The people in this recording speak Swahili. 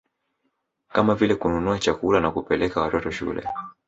Kama vile kununua chakula na kupeleka watoto shule